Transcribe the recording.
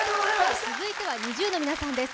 続いてはＮｉｚｉＵの皆さんです